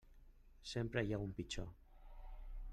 Sempre hi ha un pitjor.